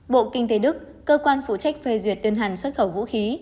bộ kinh tế đức cơ quan phụ trách phê duyệt tuyên hành xuất khẩu vũ khí